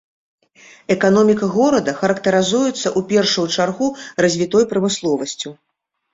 Эканоміка горада характарызуецца, у першую чаргу, развітой прамысловасцю.